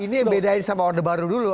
ini bedain sama orang baru dulu